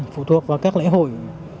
phụ thuộc vào các lễ hội